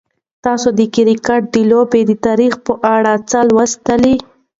آیا تاسو د کرکټ د لوبې د تاریخ په اړه څه لوستي؟